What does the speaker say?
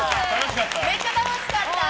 めっちゃ楽しかった！